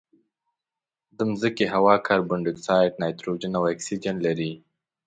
د مځکې هوا کاربن ډای اکسایډ، نایتروجن او اکسیجن لري.